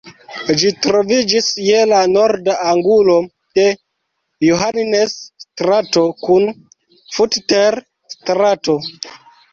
Ĝi troviĝis je la norda angulo de Johannes-strato kun Futter-strato.